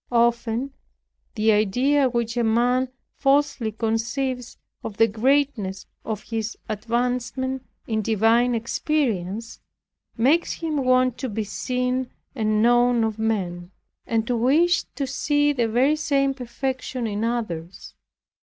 Often the idea which a man falsely conceives of the greatness of his advancement in divine experience, makes him want to be seen and known of men, and to wish to see the very same perfection in others.